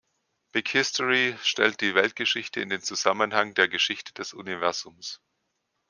Big History stellt die Weltgeschichte in den Zusammenhang der Geschichte des Universums.